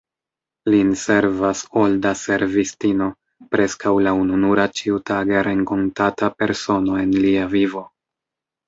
Lin servas “olda servistino, preskaŭ la ununura ĉiutage renkontata persono en lia vivo.